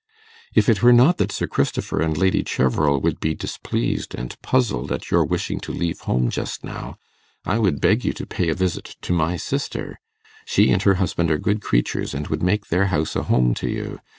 If it were not that Sir Christopher and Lady Cheverel would be displeased and puzzled at your wishing to leave home just now, I would beg you to pay a visit to my sister. She and her husband are good creatures, and would make their house a home to you.